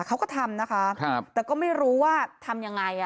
เขาก็ทำนะคะแต่ก็ไม่รู้ว่าทำยังไง